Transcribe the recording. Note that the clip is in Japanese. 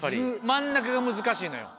真ん中が難しいのよ。